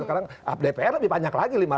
sekarang dpr lebih banyak lagi